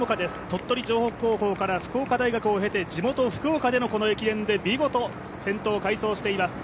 鳥取城北高校から福岡大学を経て地元・福岡での駅伝で見事先頭を快走しています。